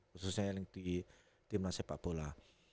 khususnya yang di tim nasib pak bola